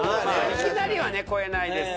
いきなりはね超えないです。